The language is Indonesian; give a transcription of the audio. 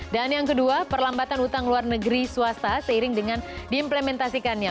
dan yang kedua perlambatan hutang luar negeri swasta seiring dengan diimplementasikannya